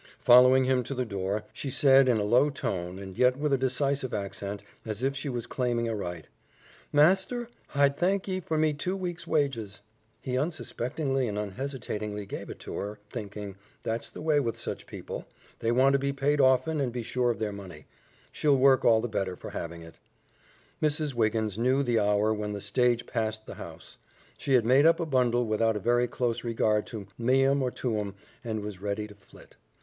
Following him to the door, she said in a low tone and yet with a decisive accent, as if she was claiming a right, "Master, hi'd thank ye for me two weeks' wages." He unsuspectingly and unhesitatingly gave it to her, thinking, "That's the way with such people. They want to be paid often and be sure of their money. She'll work all the better for having it." Mrs. Wiggins knew the hour when the stage passed the house; she had made up a bundle without a very close regard to meum or tuum, and was ready to flit.